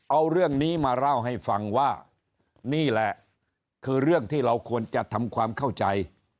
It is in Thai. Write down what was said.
เอาเรื่องนี้มาเล่าให้ฟังว่านี่แหละคือเรื่องที่เราควรจะทำความเข้าใจ